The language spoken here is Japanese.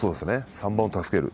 ３番を助ける。